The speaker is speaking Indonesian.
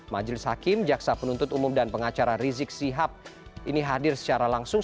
majelis hakim jaksa penuntut umum dan pengacara rizik sihab ini hadir secara langsung